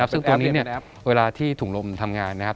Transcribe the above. ซึ่งตอนนี้เวลาที่ถุงลมทำงานนะครับ